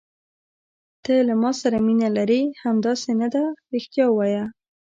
ته له ما سره مینه لرې، همداسې نه ده؟ رښتیا وایه.